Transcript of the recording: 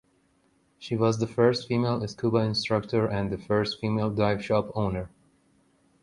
She was the first female scuba instructor and the first female dive shop owner.